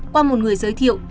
qua một người giới thiệu